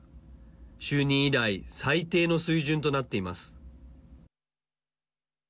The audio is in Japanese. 就任以来最低の水準となっています。